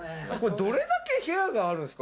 どれだけ部屋があるんですか？